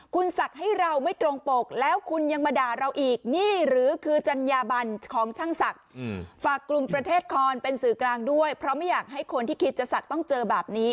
คุณศักดิ์ให้เราไม่ตรงปกแล้วคุณยังมาด่าเราอีกนี่หรือคือจัญญาบันของช่างศักดิ์ฝากกลุ่มประเทศคอนเป็นสื่อกลางด้วยเพราะไม่อยากให้คนที่คิดจะศักดิ์ต้องเจอแบบนี้